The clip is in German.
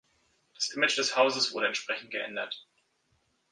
Das Image des Hauses wurde entsprechend geändert.